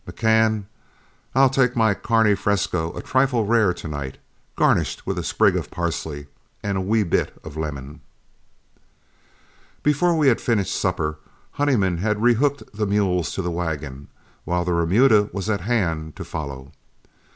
"McCann, I'll take my carne fresco a trifle rare to night, garnished with a sprig of parsley and a wee bit of lemon." Before we had finished supper, Honeyman had rehooked the mules to the wagon, while the remuda was at hand to follow.